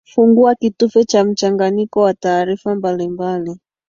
fungua kitufe cha mchanganyiko wa taarifa mbalimbali